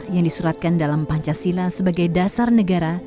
yang disuratkan dalam pancasila sebagai dasar negara